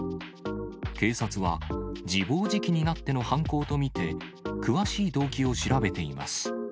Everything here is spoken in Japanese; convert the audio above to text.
警察は、自暴自棄になっての犯行と見て、詳しい動機を調べています。